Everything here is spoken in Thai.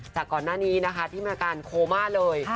จากก่อนหน้านี้นะคะที่มีอาการโคม่าเลย